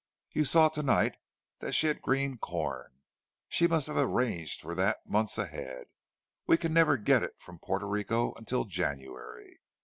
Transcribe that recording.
You saw to night that she had green corn; she must have arranged for that months ahead—we can never get it from Porto Rico until January.